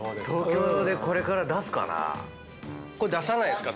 これ出さないですか？